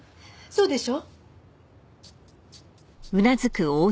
そうでしょ？